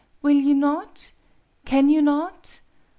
Will you not? Can you not?